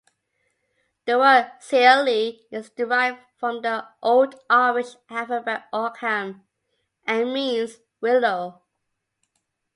The word 'Saille' is derived from the old Irish alphabet Ogham and means willow.